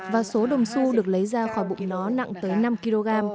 và số đồng su được lấy ra khỏi bụng nó nặng tới năm kg